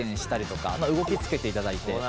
動きつけていただいて。